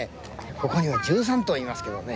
ここには１３頭いますけどね